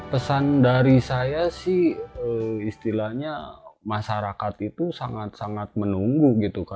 pesan dari saya sih istilahnya masyarakat itu sangat sangat menunggu gitu